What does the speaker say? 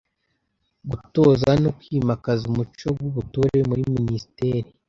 Gutoza no kwimakaza umuco w’ubutore muri minisiteri